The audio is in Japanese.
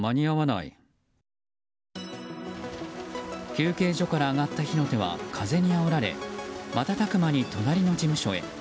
休憩所から上がった火の手は風にあおられ瞬く間に隣の事務所へ。